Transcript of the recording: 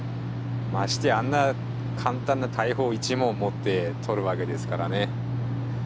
ましてやあんな簡単な大砲一門持って獲るわけですからね。